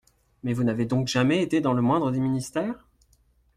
Mais vous n’avez donc jamais été dans le moindre des ministères ?